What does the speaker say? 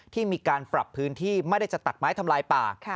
ที่มีการปรับพื้นที่ไม่ได้จะตัดไม้ทำลายป่า